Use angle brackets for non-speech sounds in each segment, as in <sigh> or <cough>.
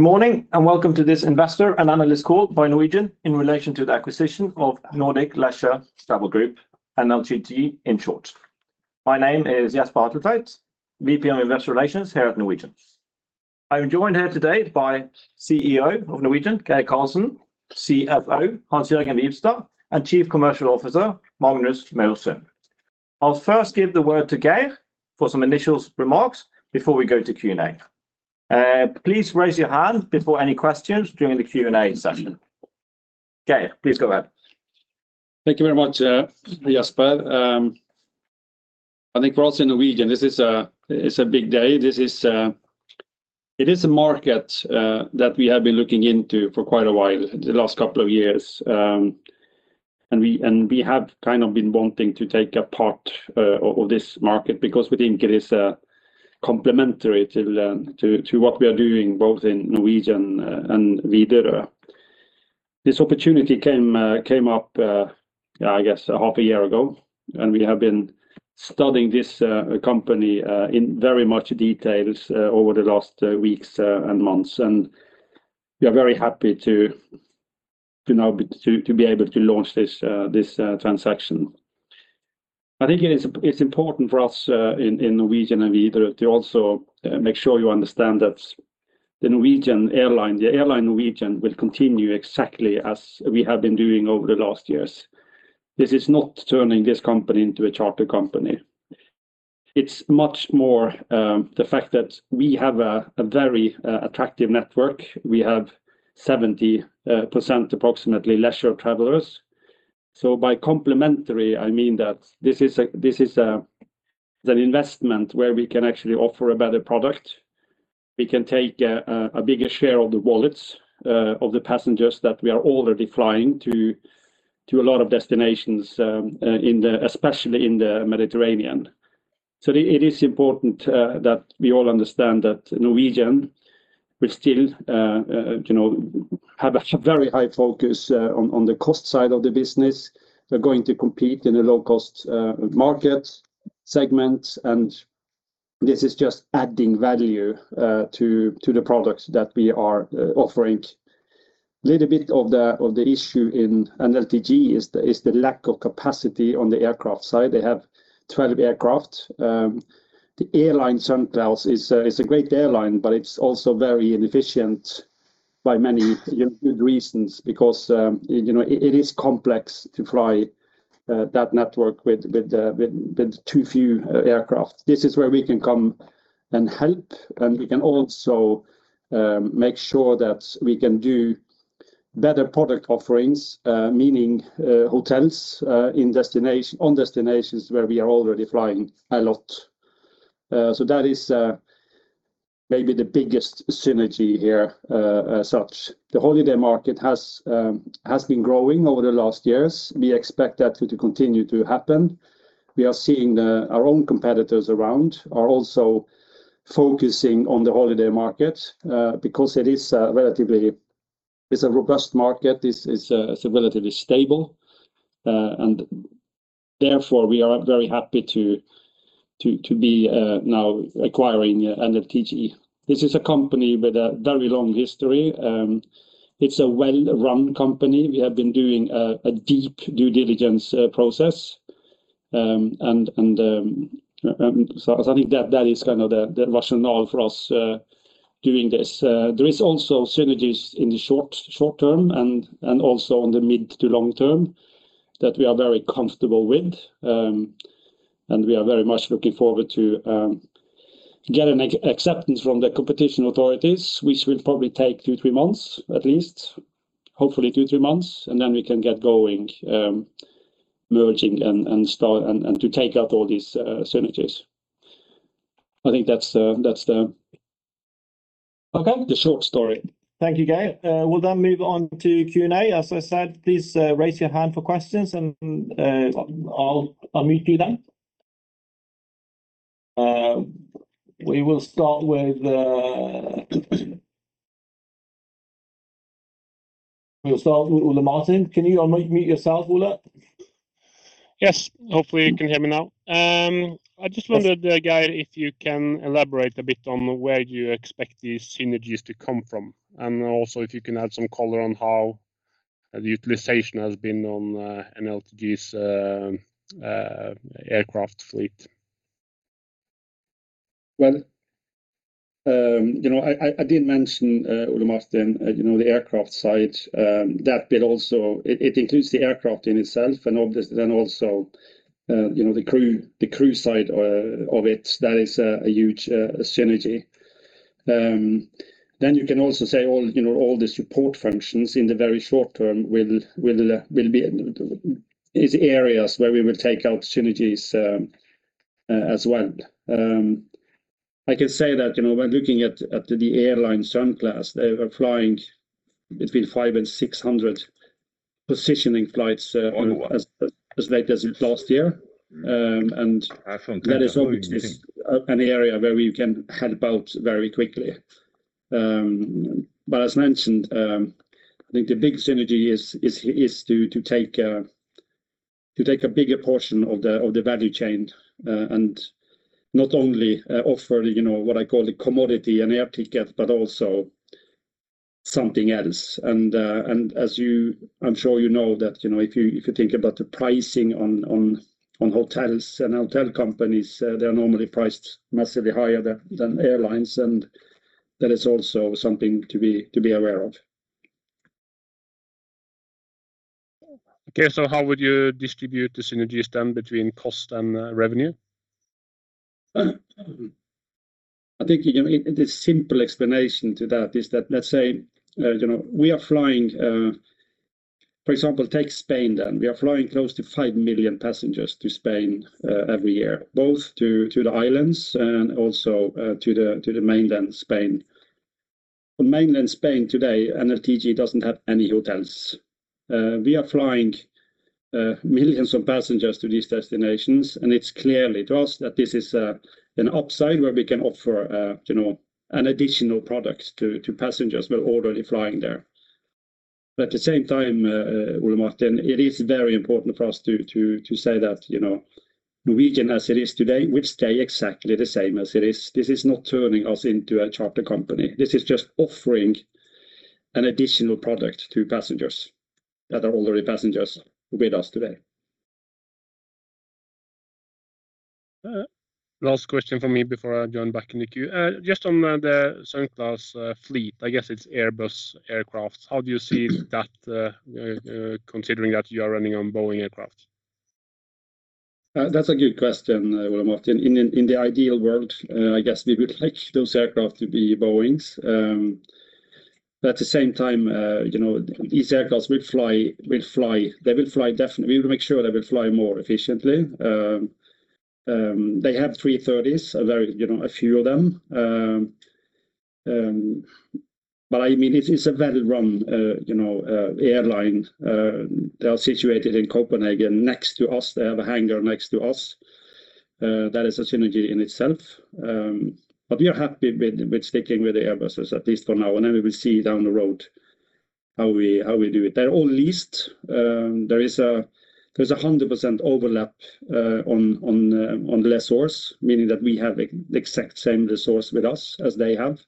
Morning, welcome to this investor and analyst call by Norwegian in relation to the acquisition of Nordic Leisure Travel Group, NLTG in short. My name is Jesper Hatletveit, VP of Investor Relations here at Norwegian. I'm joined here today by CEO of Norwegian, Geir Karlsen, CFO, Hans-Jørgen Wibstad, and Chief Commercial Officer, Magnus Thome Maursund. I'll first give the word to Geir for some initial remarks before we go to Q&A. Please raise your hand before any questions during the Q&A session. Geir, please go ahead. Thank you very much, Jesper. I think for us in Norwegian, this is a big day. It is a market that we have been looking into for quite a while, the last couple of years. We have been wanting to take a part of this market because we think it is complementary to what we are doing, both in Norwegian and Widerøe. This opportunity came up, I guess, a half a year ago, we have been studying this company in very much details over the last weeks and months. We are very happy to now be able to launch this transaction. I think it's important for us in Norwegian and Widerøe to also make sure you understand that the airline, Norwegian, will continue exactly as we have been doing over the last years. This is not turning this company into a charter company. It's much more the fact that we have a very attractive network. We have 70% approximately leisure travelers. By complementary, I mean that this is an investment where we can actually offer a better product. We can take a bigger share of the wallets of the passengers that we are already flying to a lot of destinations, especially in the Mediterranean. It is important that we all understand that Norwegian will still have a very high focus on the cost side of the business. We're going to compete in a low-cost market segment, this is just adding value to the product that we are offering. Little bit of the issue in NLTG is the lack of capacity on the aircraft side. They have 12 aircraft. The airline, Sunclass, is a great airline, it's also very inefficient by many good reasons because it is complex to fly that network with too few aircraft. This is where we can come and help, we can also make sure that we can do better product offerings, meaning hotels on destinations where we are already flying a lot. That is maybe the biggest synergy here as such. The holiday market has been growing over the last years. We expect that to continue to happen. We are seeing our own competitors around are also focusing on the holiday market because it's a robust market, it's relatively stable, therefore we are very happy to be now acquiring NLTG. This is a company with a very long history. It's a well-run company. We have been doing a deep due diligence process. I think that is the rationale for us doing this. There is also synergies in the short term and also on the mid to long term that we are very comfortable with. We are very much looking forward to get an acceptance from the competition authorities, which will probably take two, three months at least, hopefully two, three months, and then we can get going, merging and to take up all these synergies. I think that's the short story. Okay. Thank you, Geir. We'll move on to Q&A. As I said, please raise your hand for questions and I'll unmute you then. We'll start with Ole Martin. Can you unmute yourself, Ole? Yes. Hopefully you can hear me now. And I just wondered, Geir, if you can elaborate a bit on where you expect these synergies to come from, and also if you can add some color on how the utilization has been on NLTG's aircraft fleet? Well, you knowI did mention, Ole Martin, the aircraft side. That bit also, it includes the aircraft in itself and then also the crew side of it. That is a huge synergy. You can also say all the support functions in the very short term will be areas where we will take out synergies as well. I can say that when looking at the airline, Sunclass, they were flying between 500 and 600 positioning flights— On the what? as late as last year. <inaudible> That is obviously an area where we can help out very quickly. As mentioned, I think the big synergy is to take a bigger portion of the value chain, and not only offer what I call the commodity, an air ticket, but also something else. I'm sure you know that if you think about the pricing on hotels and hotel companies, they are normally priced massively higher than airlines, and that is also something to be aware of. Okay. How would you distribute the synergies then between cost and revenue? I think the simple explanation to that is that, let's say, we are flying, for example, take Spain then. We are flying close to 5 million passengers to Spain every year, both to the islands and also to mainland Spain. On mainland Spain today, NLTG doesn't have any hotels. We are flying millions of passengers to these destinations, and it's clear to us that this is an upside where we can offer an additional product to passengers who are already flying there. At the same time, Ole Martin, it is very important for us to say that, you know, Norwegian, as it is today, will stay exactly the same as it is. This is not turning us into a charter company. This is just offering an additional product to passengers that are already passengers with us today. Last question from me before I join back in the queue. Just on the Sunclass fleet, I guess it's Airbus aircraft. How do you see that, considering that you are running on Boeing aircraft? That's a good question, Ole Martin. In the ideal world, I guess we would like those aircraft to be Boeing. At the same time, these aircraft, we will make sure they will fly more efficiently. They have A330s, a few of them. It's a well-run airline. They are situated in Copenhagen next to us. They have a hangar next to us. That is a synergy in itself. We are happy with sticking with the Airbus, at least for now, then we will see down the road how we do it. They're all leased. There is 100% overlap on the lessors, meaning that we have the exact same resource with us as they have.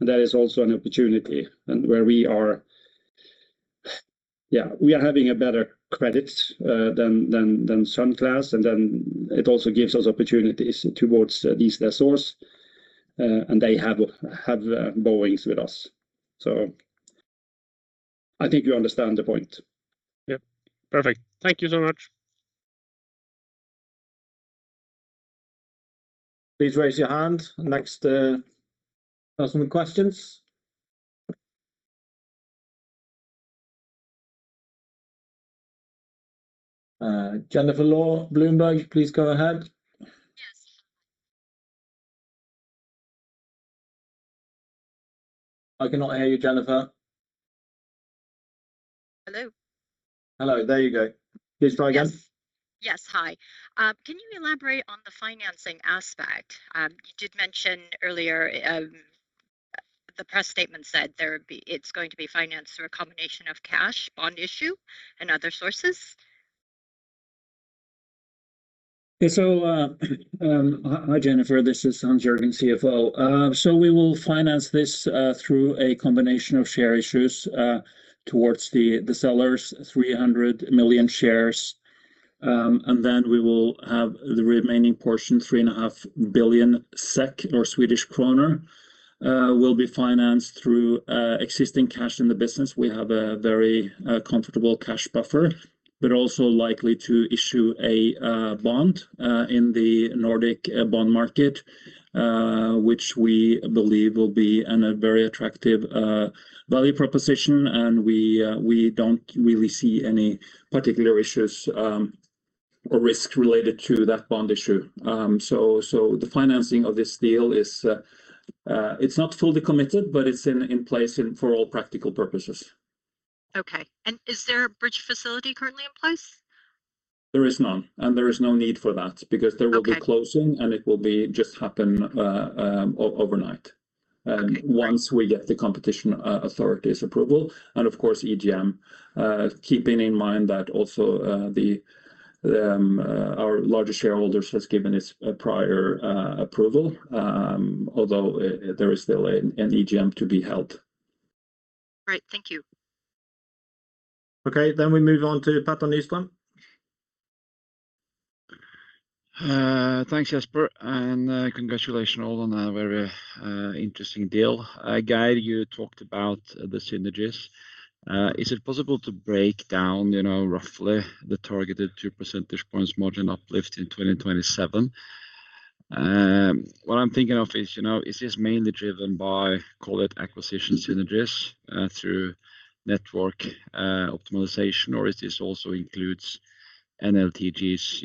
That is also an opportunity and where we are having a better credits than Sunclass, then it also gives us opportunities towards these lessors. They have Boeing with us. So, I think you understand the point. Yes. Perfect. Thank you so much. Please raise your hand. Next person with questions. [Jennifer Law], Bloomberg, please go ahead. I cannot hear you, [Jennifer]. Hello? Hello. There you go. Please try again. Yes. Hi. Can you elaborate on the financing aspect? You did mention earlier, the press statement said it's going to be financed through a combination of cash, bond issue, and other sources. Hi, [Jennifer]. This is Hans-Jørgen, CFO. We will finance this through a combination of share issues towards the sellers, 300 million shares, and then we will have the remaining portion, 3.5 billion SEK or Swedish krona, will be financed through existing cash in the business. We have a very comfortable cash buffer. Also likely to issue a bond in the Nordic bond market, which we believe will be in a very attractive value proposition, and we don't really see any particular issues or risk related to that bond issue. The financing of this deal is not fully committed, but it's in place for all practical purposes. Okay. Is there a bridge facility currently in place? There is none, and there is no need for that. Because there will be closing, and it will just happen overnight. Okay. Once we get the competition authority's approval, and of course, EGM, keeping in mind that also our largest shareholder has given its prior approval, although there is still an EGM to be held. Great. Thank you. Okay, we move on to [Pål Nisland]. Thanks, Jesper, and congratulations on a very interesting deal. Geir, you talked about the synergies. Is it possible to break down, roughly, the targeted two percentage points margin uplift in 2027? What I'm thinking of is this mainly driven by, call it acquisition synergies through network optimization, or this also includes NLTG's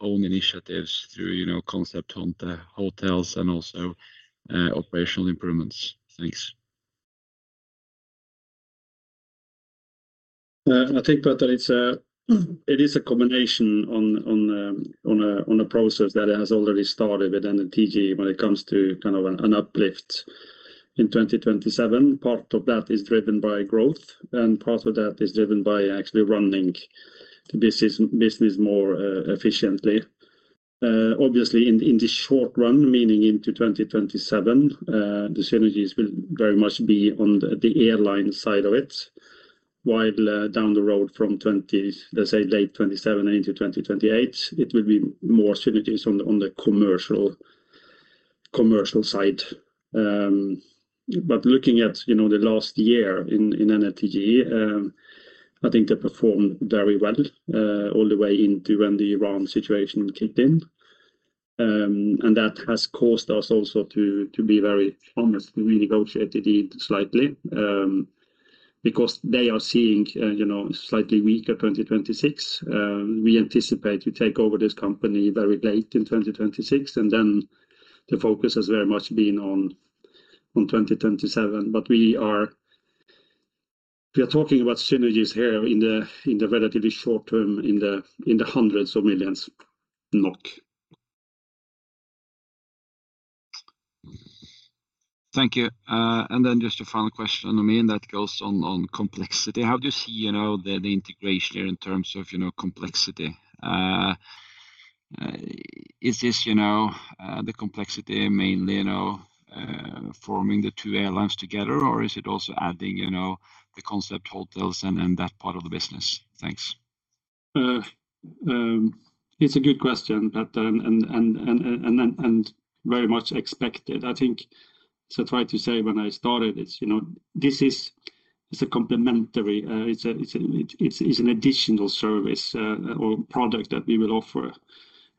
own initiatives through concept hotels and also operational improvements? Thanks. I think, [Pål], that it is a combination on a process that has already started with NLTG when it comes to an uplift in 2027, part of that is driven by growth, and part of that is driven by actually running the business more efficiently. Obviously, in the short run, meaning into 2027, the synergies will very much be on the airline side of it. While down the road from, let's say, late 2027 into 2028, it will be more synergies on the commercial side. Looking at the last year in NLTG, I think they performed very well all the way into when the run situation kicked in. That has caused us also to be very honest. We renegotiated it slightly, because they are seeing slightly weaker 2026. We anticipate to take over this company very late in 2026. The focus has very much been on 2027. We are talking about synergies here in the relatively short term, in the hundreds of millions NOK. Thank you. Just a final question on me that goes on complexity. How do you see the integration here in terms of complexity? Is this the complexity mainly forming the two airlines together, or is it also adding, you know, the Concept hotels and that part of the business? Thanks. It's a good question, and very much expected. I think to try to say when I started, this is a complementary, it's an additional service or product that we will offer.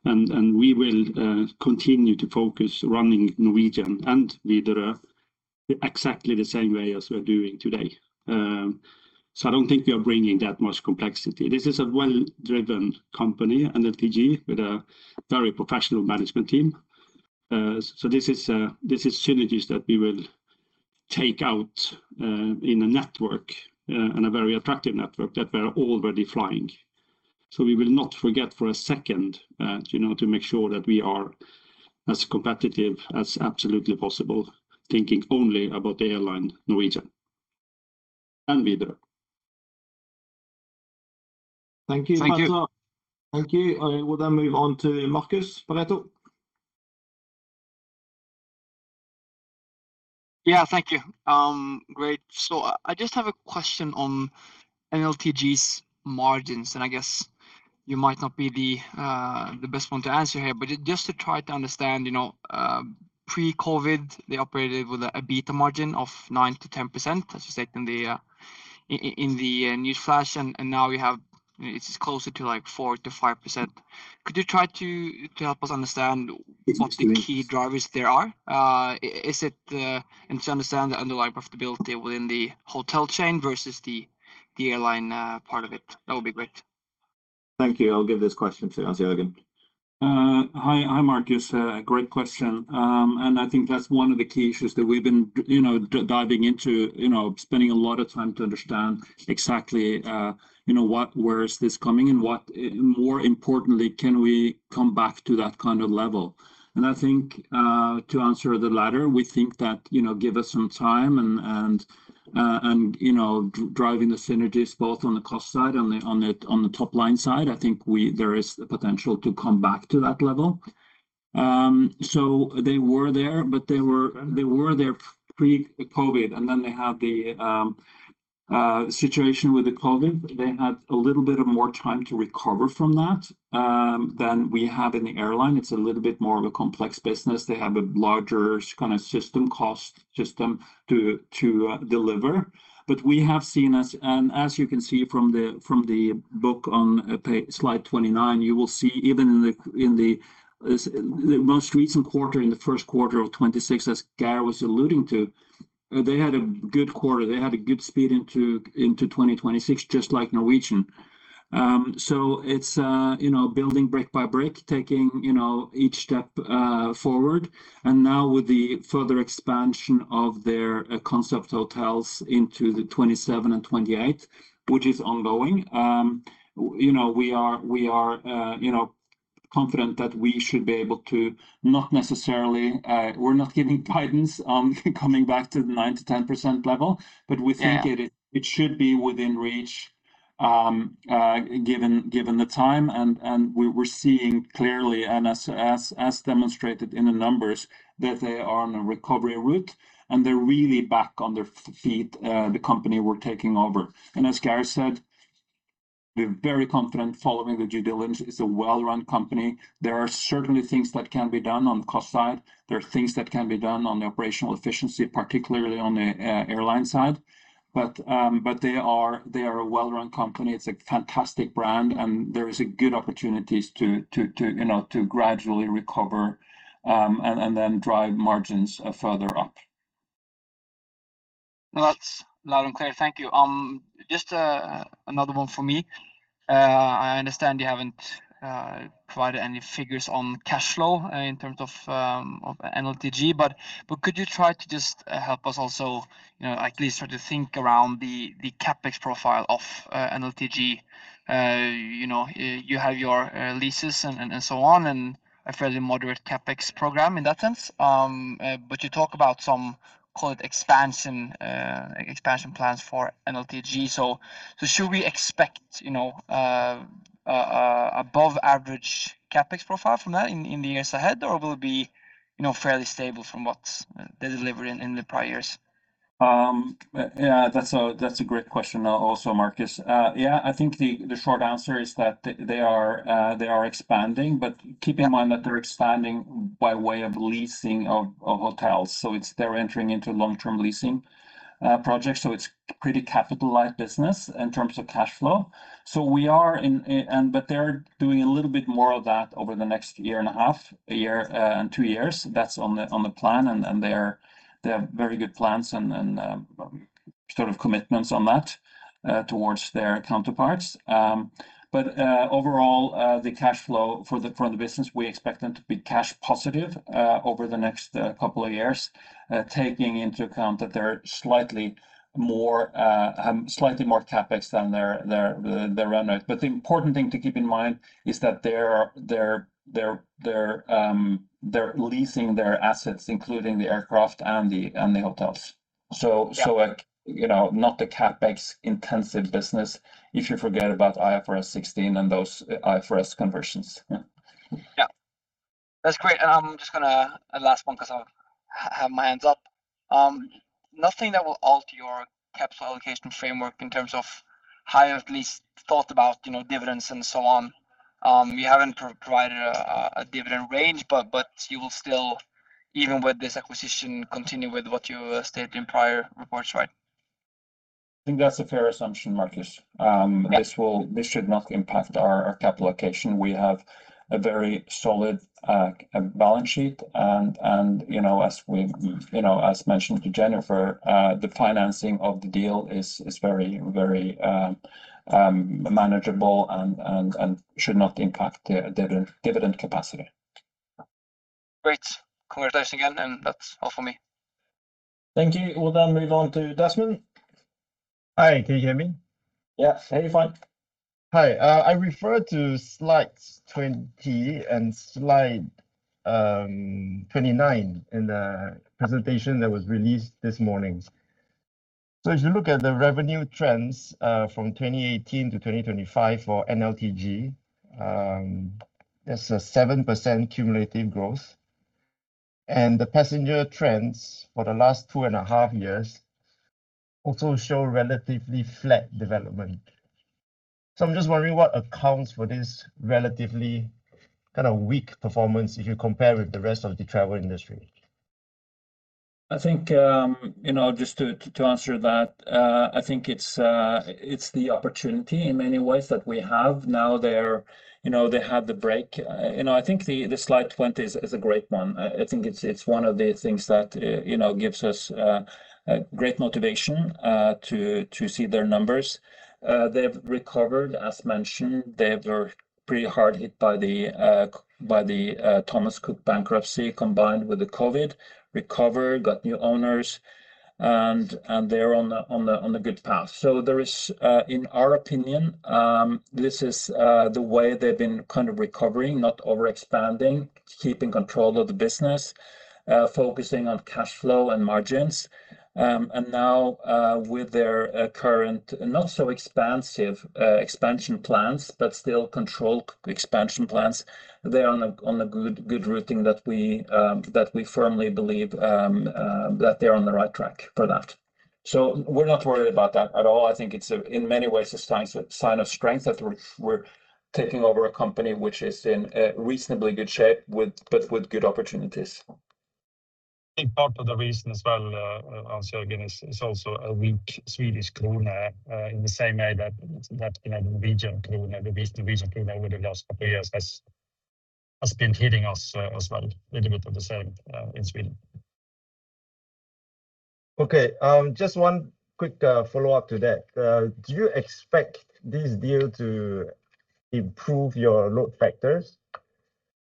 We will continue to focus running Norwegian and Widerøe exactly the same way as we are doing today. I don't think we are bringing that much complexity. This is a well-driven company, NLTG, with a very professional management team. This is synergies that we will take out in a network, and a very attractive network that we're already flying. We will not forget for a second to make sure that we are as competitive as absolutely possible, thinking only about the airline Norwegian and Widerøe. Thank you. Thank you. Thank you. I will move on to Marcus, [Pareto Securities]. Yeah. Thank you. Great. I just have a question on NLTG's margins, and I guess you might not be the best one to answer here. Just to try to understand, you know, pre-COVID, they operated with an EBITDA margin of 9%-10%, as you said in the newsflash, and now it's closer to 4%-5%. Could you try to help us understand- Yes, please what the key drivers there are? To understand the underlying profitability within the hotel chain versus the airline part of it. That would be great. Thank you. I'll give this question to Hans-Jørgen again. Hi, Marcus. Great question. I think that's one of the key issues that we've been diving into, spending a lot of time to understand exactly where is this coming and more importantly, can we come back to that kind of level? I think to answer the latter, we think that give us some time and driving the synergies both on the cost side and on the top-line side, I think there is the potential to come back to that level. They were there, but they were there pre-COVID, then they had the situation with the COVID. They had a little bit of more time to recover from that than we have in the airline. It's a little bit more of a complex business. They have a larger system cost to deliver. But we have seen, as you can see from the book on slide 29, you will see even in the most recent quarter, in the first quarter of 2026, as Geir was alluding to, they had a good quarter. They had a good speed into 2026, just like Norwegian. It's building brick by brick, taking each step forward. Now with the further expansion of their Concept hotels into the 2027 and 2028, which is ongoing, we are confident that we should be able to not necessarily, we're not giving guidance on coming back to the 9%-10% level. Yeah. It should be within reach given the time and we're seeing clearly and as demonstrated in the numbers, that they are on a recovery route. They're really back on their feet, the company we're taking over. As Geir said, we're very confident following the due diligence. It's a well-run company. There are certainly things that can be done on the cost side. There are things that can be done on the operational efficiency, particularly on the airline side. They are a well-run company. It's a fantastic brand, and there is a good opportunities to gradually recover and then drive margins further up. That's loud and clear. Thank you. Just another one from me I understand you haven't provided any figures on cash flow in terms of NLTG, but could you try to just help us also at least try to think around the CapEx profile of NLTG? You have your leases and so on, and a fairly moderate CapEx program in that sense. You talk about some, call it expansion plans for NLTG. Should we expect above average CapEx profile from that in the years ahead, or will it be fairly stable from what they delivered in the prior years? That's a great question also, Marcus. I think the short answer is that they are expanding, but keep in mind that they're expanding by way of leasing of hotels. They're entering into long-term leasing projects, so it's pretty capitalized business in terms of cash flow. They're doing a little bit more of that over the next year and a half, and two years. That's on the plan, and they have very good plans and sort of commitments on that towards their counterparts. Overall, the cash flow for the business, we expect them to be cash positive over the next couple of years, taking into account that they're slightly more CapEx than their run rate. The important thing to keep in mind is that they're leasing their assets, including the aircraft and the hotels. Yeah. You know, not a CapEx-intensive business if you forget about IFRS 16 and those IFRS conversions. Yeah. That's great. I'm just going to, last one because I have my hands up. Nothing that will alter your capital allocation framework in terms of how you have at least thought about dividends and so on. You haven't provided a dividend range. You will still, even with this acquisition, continue with what you stated in prior reports, right? I think that's a fair assumption, Marcus. Yeah. This should not impact our capital allocation. We have a very solid balance sheet. As mentioned to [Jennifer], the financing of the deal is very, very manageable and should not impact the dividend capacity. Great. Congratulations again. That's all from me. Thank you. We'll move on to Desmond. Hi, can you hear me? Yeah. Hearing fine. Hi. I refer to slides 20 and slide 29 in the presentation that was released this morning. As you look at the revenue trends from 2018-2025 for NLTG, that's a 7% cumulative growth. The passenger trends for the last two and a half years also show relatively flat development. I'm just wondering what accounts for this relatively kind of weak performance if you compare with the rest of the travel industry? I think, just to answer that, I think it's the opportunity in many ways that we have. Now they had the break. I think the slide 20 is a great one. I think it's one of the things that gives us great motivation to see their numbers. They've recovered, as mentioned. They were pretty hard hit by the Thomas Cook bankruptcy combined with the COVID, recovered, got new owners, and they're on a good path. There is, in our opinion, this is the way they've been kind of recovering, not over-expanding, keeping control of the business, focusing on cash flow and margins. Now, with their current not so expansive expansion plans, but still controlled expansion plans, they're on a good routing that we firmly believe that they're on the right track for that. We're not worried about that at all. I think it's, in many ways, a sign of strength that we're taking over a company which is in reasonably good shape, but with good opportunities. I think part of the reason as well, Hans-Jørgen, is also a weak Swedish krona in the same way that the Norwegian krona over the last couple of years has been hitting us as well. A little bit of the same in Sweden. Okay. Just one quick follow-up to that. Do you expect this deal to improve your load factors?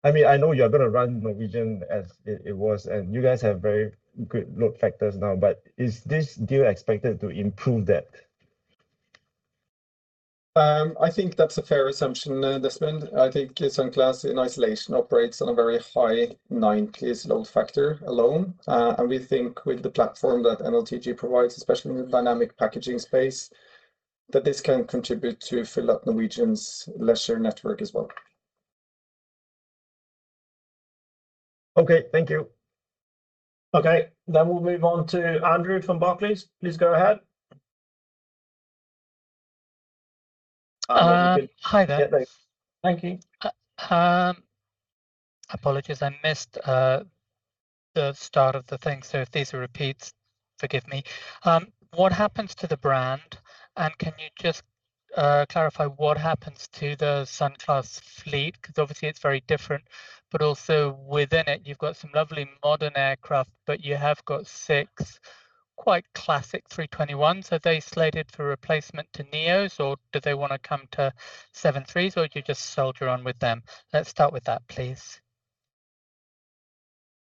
I know you're going to run Norwegian as it was, and you guys have very good load factors now, but is this deal expected to improve that? I think that's a fair assumption, Desmond. I think Sunclass in isolation operates on a very high 90s load factor alone. We think with the platform that NLTG provides, especially in the dynamic packaging space, that this can contribute to fill up Norwegian's leisure network as well. Okay. Thank you. Okay. We'll move on to Andrew from Barclays. Please go ahead. Hi there. Yeah, thanks. Thank you. Apologies. I missed the start of the thing, so if these are repeats, forgive me. What happens to the brand, and can you just clarify what happens to the Sunclass fleet? Because obviously it's very different, but also within it you've got some lovely modern aircraft, but you have got six. Quite classic A321s. Are they slated for replacement to neo, or do they want to come to 737s, or do you just soldier on with them? Let's start with that, please.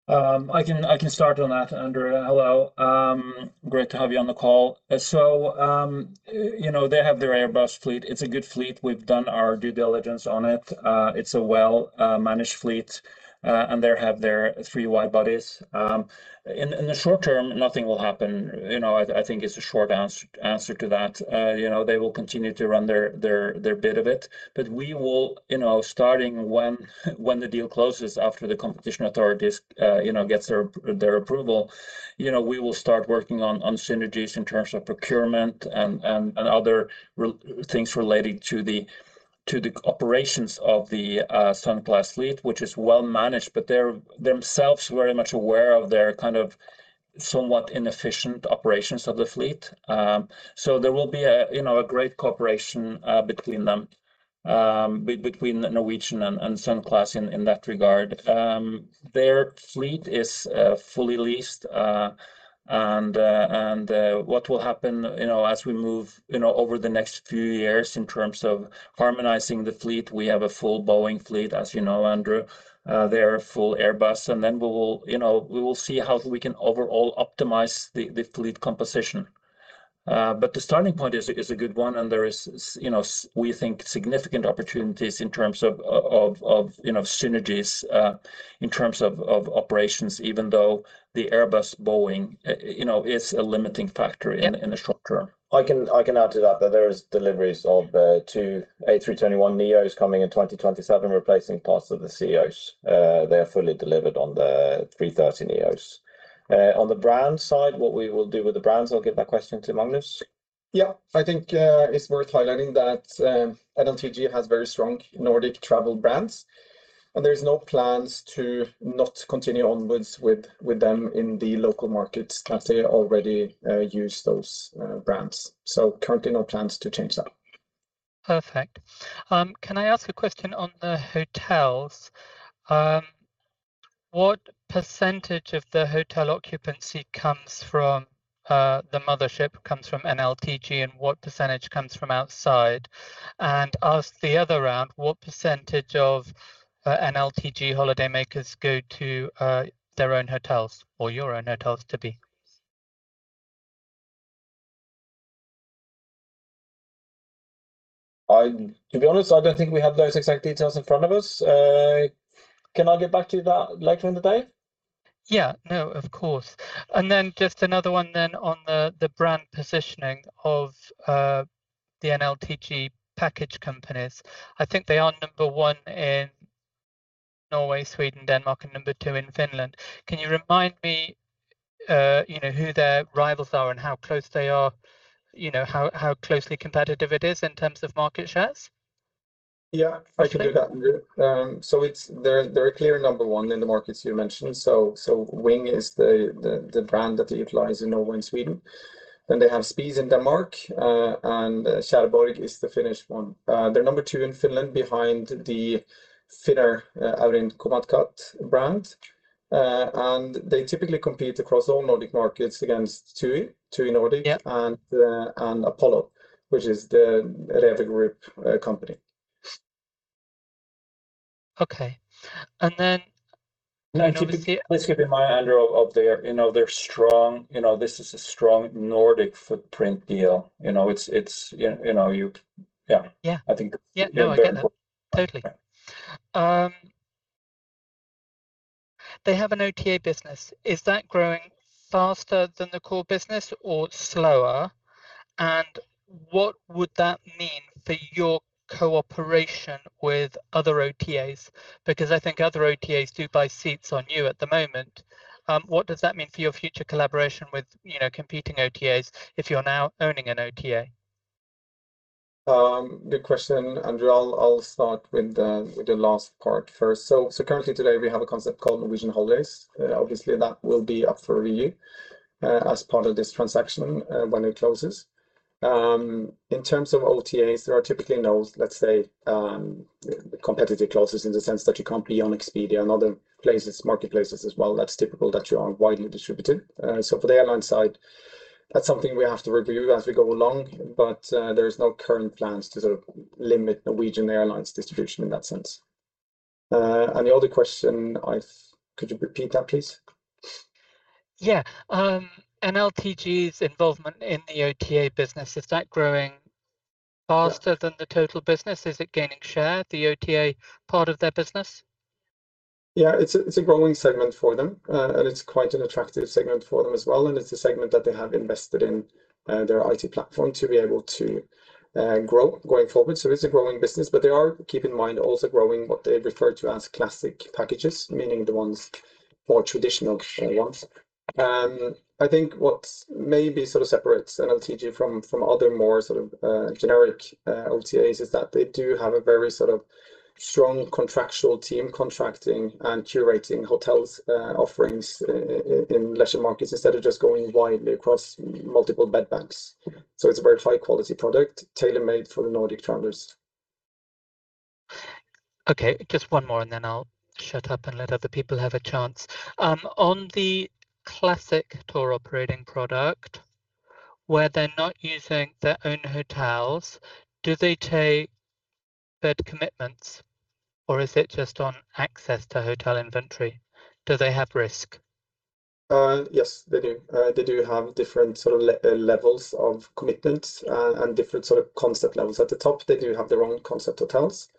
I can start on that, Andrew. Hello. Great to have you on the call. You know, they have their Airbus fleet. It's a good fleet. We've done our due diligence on it. It's a well-managed fleet, and they have their three wide bodies. In the short term, nothing will happen. I think it's a short answer to that. They will continue to run their bit of it. We will, starting when the deal closes after the competition authorities gets their approval, we will start working on synergies in terms of procurement and other things relating to the operations of the Sunclass fleet, which is well-managed. They're themselves very much aware of their somewhat inefficient operations of the fleet. There will be a great cooperation between them, between Norwegian and Sunclass in that regard. Their fleet is fully leased. What will happen as we move over the next few years in terms of harmonizing the fleet, we have a full Boeing fleet, as you know, Andrew. They're full Airbus, and then we will see how we can overall optimize the fleet composition. The starting point is a good one and there is, you know, we think, significant opportunities in terms of synergies, in terms of operations even though the Airbus-Boeing is a limiting factor in the short term. I can add to that there is deliveries of two A321neo coming in 2027 replacing parts of the COs. They are fully delivered on the A330neo. On the brand side, what we will do with the brands, I'll give that question to Magnus. I think it's worth highlighting that NLTG has very strong Nordic travel brands, and there is no plans to not continue onwards with them in the local markets as they already use those brands. Currently, no plans to change that. Perfect. Can I ask a question on the hotels? What percentage of the hotel occupancy comes from the mothership, comes from NLTG, and what percentage comes from outside? Ask the other around, what percentage of NLTG holidaymakers go to their own hotels or your own hotels to be? To be honest, I don't think we have those exact details in front of us. Can I get back to you that later in the day? Yes, of course. Just another one then on the brand positioning of the NLTG package companies. I think they are number one in Norway, Sweden, Denmark, and number two in Finland. Can you remind me who their rivals are and how close they are, how closely competitive it is in terms of market shares? Yeah, I can do that, Andrew. They're a clear number one in the markets you mentioned. Ving is the brand that they utilize in Norway and Sweden. They have Spies in Denmark, and Tjäreborg is the Finnish one. They're number two in Finland behind the Finnair brand. They typically compete across all Nordic markets against TUI Nordic Apollo, which is the REWE Group company. Yep. Okay. Please keep in mind, Andrew, this is a strong Nordic footprint deal. You know, I think they're important. Yeah. No, I get that. Totally. They have an OTA business. Is that growing faster than the core business or slower? What would that mean for your cooperation with other OTAs? I think other OTAs do buy seats on you at the moment. What does that mean for your future collaboration with competing OTAs if you're now owning an OTA? Good question, Andrew. I'll start with the last part first. Currently today, we have a concept called Norwegian Holidays. Obviously, that will be up for review as part of this transaction when it closes. In terms of OTAs, there are typically no, let's say, competitive clauses in the sense that you can't be on Expedia and other marketplaces as well. That's typical that you are widely distributed. For the airline side, that's something we have to review as we go along. There is no current plans to sort of limit Norwegian Airlines distribution in that sense. The other question, could you repeat that, please? Yeah. NLTG's involvement in the OTA business, is that growing faster than the total business? Is it gaining share, the OTA part of their business? Yeah, it's a growing segment for them, and it's quite an attractive segment for them as well, and it's a segment that they have invested in their IT platform to be able to grow going forward. It's a growing business, but they are, keep in mind, also growing what they refer to as classic packages, meaning the ones more traditional ones. I think what maybe sort of separates NLTG from other more sort of generic OTAs is that they do have a very sort of strong contractual team contracting and curating hotels offerings in leisure markets instead of just going widely across multiple bed banks. It's a very high-quality product, tailor-made for the Nordic travelers. Okay, just one more and then I'll shut up and let other people have a chance. On the classic tour operating product, where they're not using their own hotels, do they take bed commitments or is it just on access to hotel inventory? Do they have risk? Yes, they do. They do have different sort of levels of commitment and different sort of concept levels at the top. They do have their own concept hotels.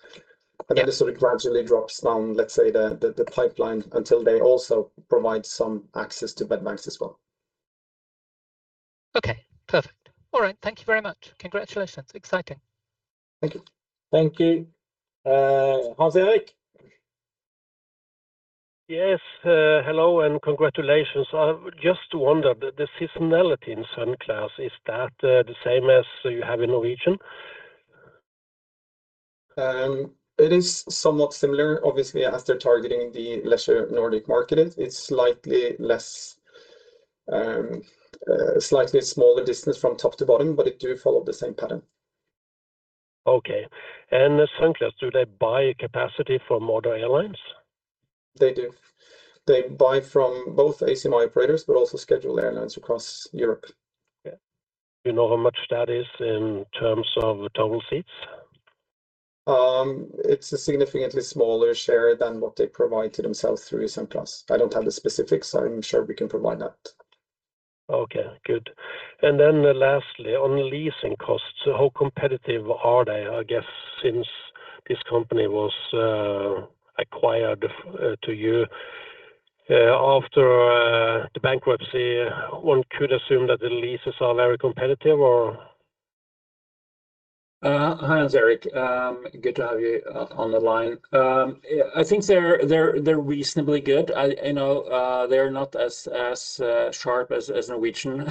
Yeah. This sort of gradually drops down, let's say the pipeline, until they also provide some access to bed banks as well. Okay, perfect. All right. Thank you very much. Congratulations. Exciting. Thank you. Thank you. Hans Erik. Yes. Hello and congratulations. I just wondered, the seasonality in Sunclass, is that the same as you have in Norwegian? It is somewhat similar, obviously, as they're targeting the leisure Nordic market. It's a slightly smaller distance from top to bottom, but it do follow the same pattern. Okay. Sunclass, do they buy capacity from other airlines? They do. They buy from both ACMI operators, but also scheduled airlines across Europe. Yeah. Do you know how much that is in terms of total seats? It's a significantly smaller share than what they provide to themselves through Sunclass. I don't have the specifics. I'm sure we can provide that. Okay, good. Lastly, on leasing costs, how competitive are they? I guess since this company was acquired to you after the bankruptcy, one could assume that the leases are very competitive or? Hi, Hans Erik. Good to have you on the line. I think they're reasonably good. They're not as sharp as Norwegian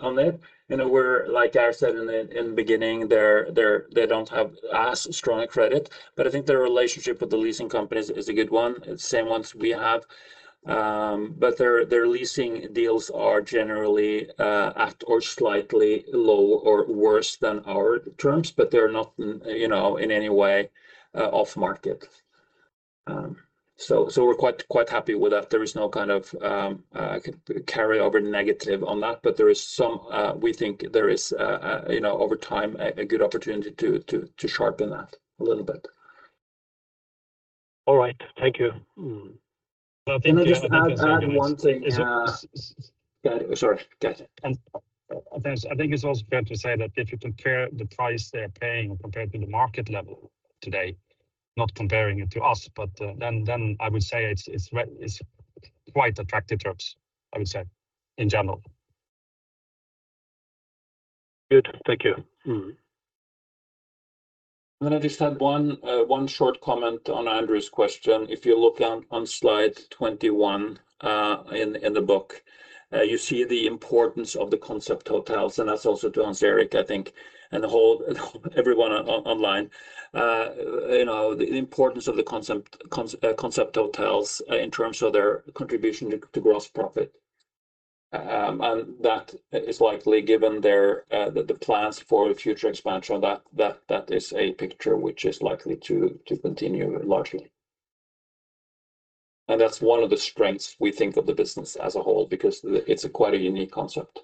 on it, where like Geir said in the beginning, they don't have as strong a credit, their relationship with the leasing companies is a good one. Same ones we have. Their leasing deals are generally at or slightly low or worse than our terms, they're not in any way off-market. We're quite happy with that. There is no kind of carryover negative on that, we think there is, over time, a good opportunity to sharpen that a little bit. All right. Thank you. Can I just add one thing? Sorry, Geir. Thanks. I think it's also fair to say that if you compare the price they're paying compared to the market level today, not comparing it to us, but then I would say it's quite attractive terms, I would say, in general. Good. Thank you. I just had one short comment on Andrew's question. If you look on slide 21 in the book, you see the importance of the Concept hotels, and that's also to Hans Erik, I think, and everyone online. The importance of the Concept hotels in terms of their contribution to gross profit. That is likely, given the plans for future expansion, that is a picture which is likely to continue largely. That's one of the strengths, we think, of the business as a whole, because it's quite a unique concept.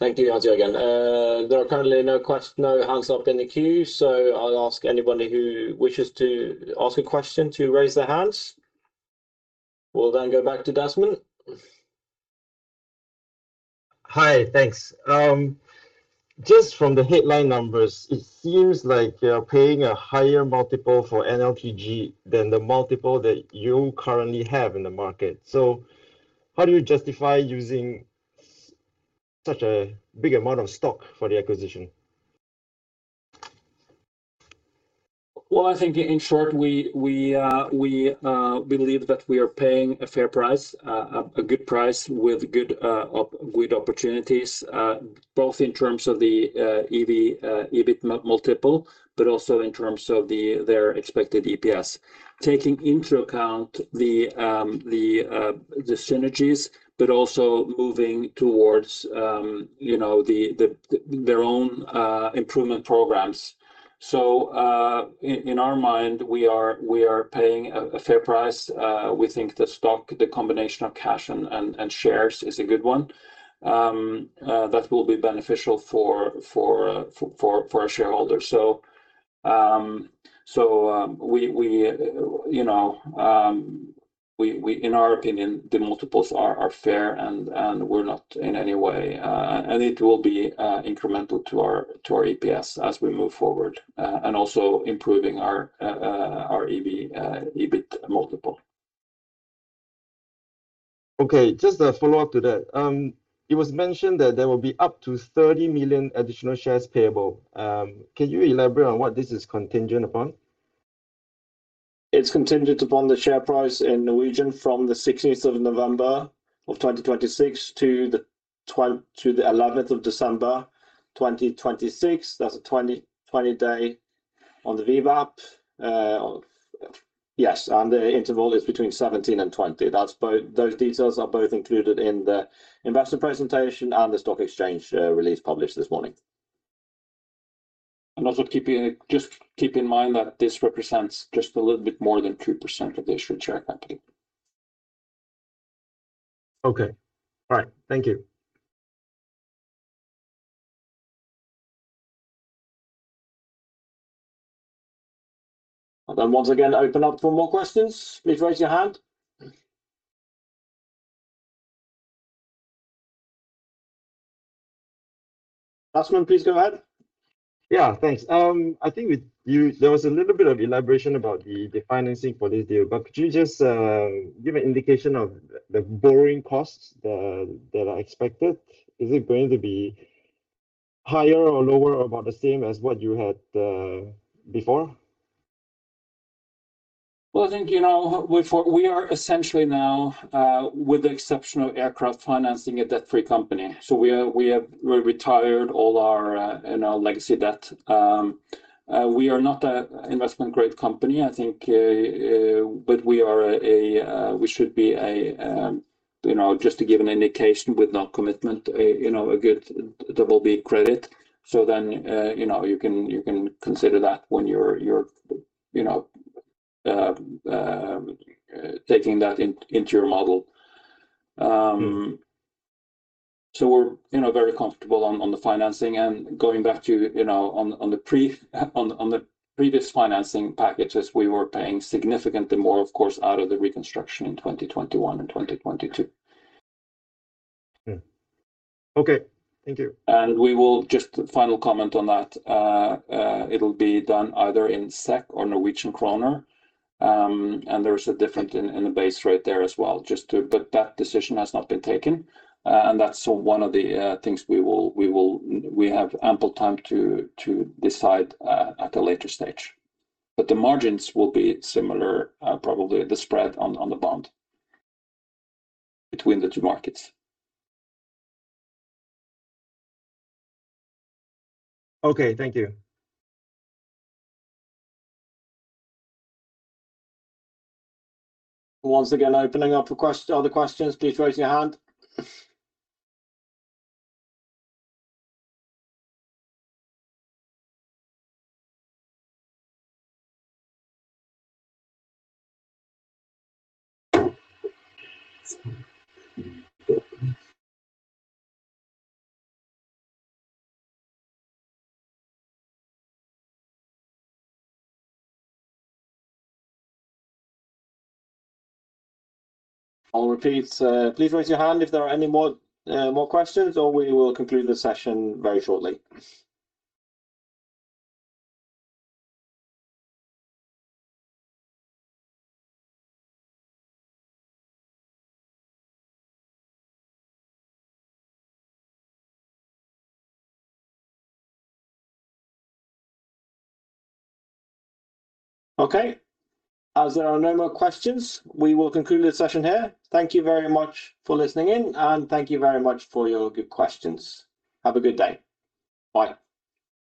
Thank you, Hans-Jørgen. There are currently no hands up in the queue, so I'll ask anybody who wishes to ask a question to raise their hands. We'll then go back to Desmond. Hi. Thanks. Just from the headline numbers, it seems like you're paying a higher multiple for NLTG than the multiple that you currently have in the market. How do you justify using such a big amount of stock for the acquisition? Well, I think in short, we believe that we are paying a fair price, a good price with good opportunities, both in terms of the EV/EBIT multiple, also in terms of their expected EPS. Taking into account the synergies, also moving towards their own improvement programs. In our mind, we are paying a fair price. We think the stock, the combination of cash and shares is a good one that will be beneficial for our shareholders. In our opinion, the multiples are fair, and it will be incremental to our EPS as we move forward. Also improving our EV/EBIT multiple. Okay. Just a follow-up to that. It was mentioned that there will be up to 30 million additional shares payable. Can you elaborate on what this is contingent upon? It's contingent upon the share price in Norwegian from the November 16th of 2026 to the December 11th 2026. That's a 20 day on the VWAP. Yes, the interval is between 17 and 20. Those details are both included in the investor presentation and the stock exchange release published this morning. Also just keep in mind that this represents just a little bit more than 2% of the issued share capital. Okay. All right. Thank you. I'll once again open up for more questions. Please raise your hand. Asman, please go ahead. Yeah, thanks. I think there was a little bit of elaboration about the financing for this deal. Could you just give an indication of the borrowing costs that are expected? Is it going to be higher or lower or about the same as what you had before? Well, I think we are essentially now with the exception of aircraft financing, a debt-free company. We retired all our legacy debt. We are not an investment grade company, I think, but we should be a, just to give an indication with no commitment, a good BB credit. You can consider that when you're taking that into your model. We're very comfortable on the financing and going back to on the previous financing packages, we were paying significantly more, of course, out of the reconstruction in 2021 and 2022. Okay. Thank you. We will just final comment on that. It'll be done either in SEK or Norwegian kroner. There is a different in the base rate there as well. That decision has not been taken. That's one of the things we have ample time to decide at a later stage. The margins will be similar, probably the spread on the bond between the two markets. Okay. Thank you. Once again, opening up for other questions, please raise your hand. I'll repeat please raise your hand if there are any more questions or we will conclude the session very shortly. Okay. As there are no more questions, we will conclude the session here. Thank you very much for listening in, and thank you very much for your good questions. Have a good day. Bye